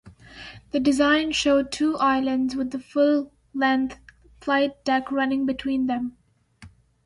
The design showed two islands with the full-length flight deck running between them.